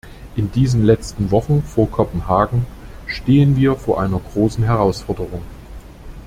In diesen letzten Wochen vor Kopenhagen stehen wir vor einer großen Herausforderung.